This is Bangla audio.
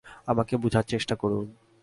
আমাকে বুঝার চেষ্টা করুন।